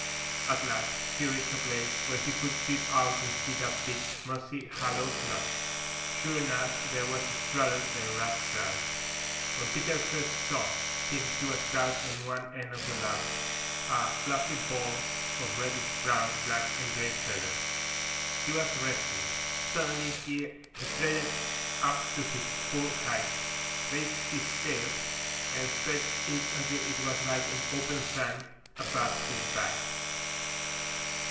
At last he reached a place where he could peep out and see that big, mossy, hollow log. Sure enough, there was Strutter the Ruffed Grouse. When Peter first saw him he was crouched on one end of the log, a fluffy ball of reddish brown, black and gray feathers. He was resting. Suddenly he straightened up to his full height, raised his tail and spread it until it was like an open fan above his back.